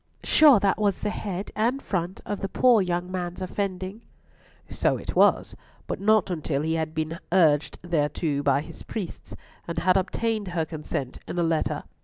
"Sure that was the head and front of the poor young man's offending." "So it was, but not until he had been urged thereto by his priests, and had obtained her consent in a letter.